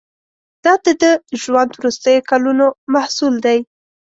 دا د ده ژوند وروستیو کلونو محصول دی.